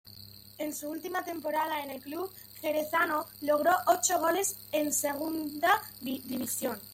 En su última temporada en el club jerezano, logró ocho goles en Segunda División.